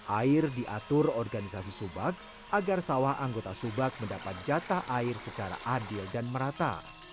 air diatur organisasi subak agar sawah anggota subak mendapat jatah air secara adil dan merata